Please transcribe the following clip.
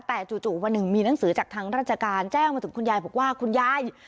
แต่จู่วันหนึ่งมีหนังสือจากทางราชการแจ้งมาถึงคุณยายบอกว่าคุณยาย